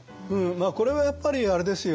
これはやっぱりあれですよ。